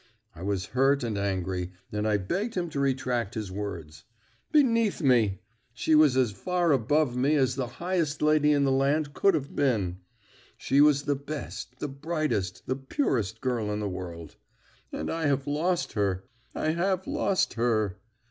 I was hurt and angry, and I begged him to retract his words. Beneath me! She was as far above me as the highest lady in the land could have been. She was the best, the brightest, the purest girl in the world. And I have lost her! I have lost her!